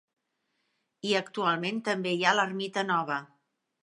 I actualment també hi ha l’ermita nova.